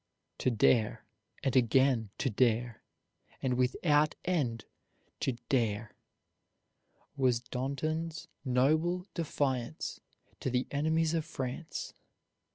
"To dare, and again to dare, and without end to dare," was Danton's noble defiance to the enemies of France.